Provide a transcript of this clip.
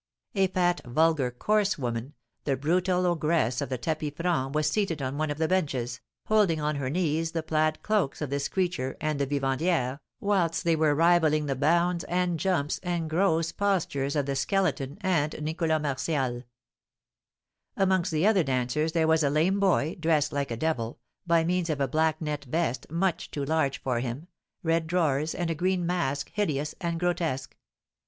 A fat, vulgar, coarse woman, the brutal ogress of the tapis franc, was seated on one of the benches, holding on her knees the plaid cloaks of this creature and the vivandière, whilst they were rivalling the bounds, and jumps, and gross postures of the Skeleton and Nicholas Martial. Amongst the other dancers there was a lame boy, dressed like a devil, by means of a black net vest, much too large for him, red drawers, and a green mask hideous and grotesque.